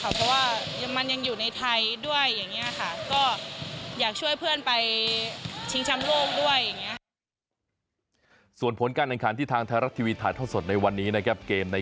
เพราะว่ามันยังอยู่ในไทยด้วยอย่างนี้ค่ะ